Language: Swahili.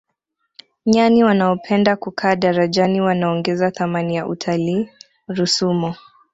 nyani wanaopenda kukaa darajani wanaongeza thamani ya utalii rusumo